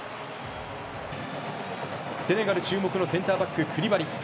セネガル注目のセンターバッククリバリ。